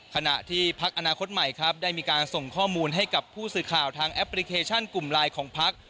ขณะที่พักอนาคตใหม่ครับได้มีการส่งข้อมูลให้กับผู้สื่อข่าวทางแอปพลิเคชันกลุ่มไลน์ของพัก